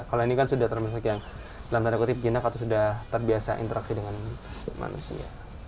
kalau ini kan sudah termasuk yang dalam tanda kutip jinak atau sudah terbiasa interaksi dengan manusia